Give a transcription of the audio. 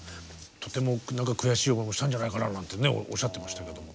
とても悔しい思いもしたんじゃないかななんてねおっしゃってましたけど。